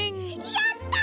やった！